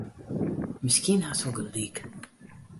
Miskien hast wol gelyk.